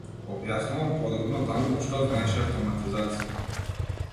Објаснувам подробно таму - што значи автоматизација.